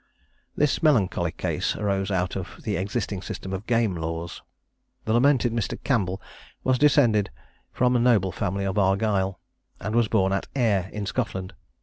This melancholy case arose out of the existing system of game laws. The lamented Mr. Campbell was descended from the noble family of Argyle, and was born at Ayr in Scotland.